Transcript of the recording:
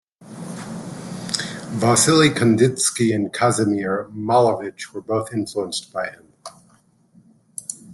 Wassily Kandinsky and Kazimir Malevich were both influenced by him.